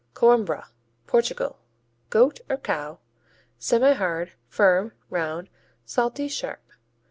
Coimbra Portugal Goat or cow; semihard; firm; round; salty; sharp.